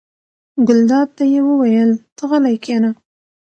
ګلداد ته یې وویل: ته غلی کېنه.